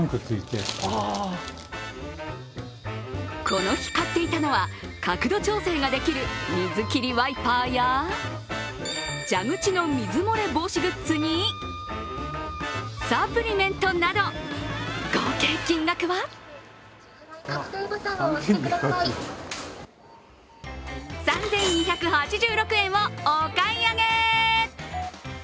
この日買っていたのは角度調整ができる水切りワイパーや蛇口の水漏れ防止グッズにサプリメントなど、合計金額は３２８６円をお買い上げ。